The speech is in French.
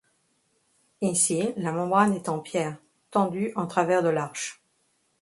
Ici la membrane est en pierre, tendue en travers de l'arche.